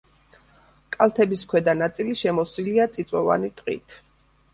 კალთების ქვედა ნაწილი შემოსილია წიწვოვანი ტყით.